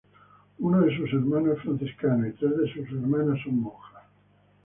Uno de sus hermanos es franciscano, y tres de sus hermanas son monjas.